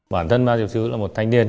bản thân má diệp chứ là một thanh niên